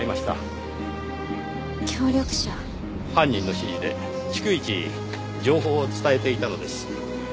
犯人の指示で逐一情報を伝えていたのです。